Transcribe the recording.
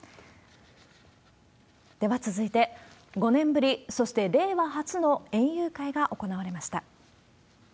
では続いて、５年ぶり、そして令和初の園遊会が行われました。